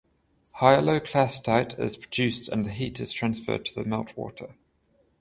Hyaloclastite is produced and the heat is transferred to the meltwater.